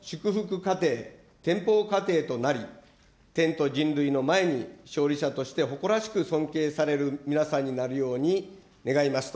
家庭・天ぽう家庭となり、天と人類の前に勝利者として誇らしく尊敬される皆さんになるように願いますと。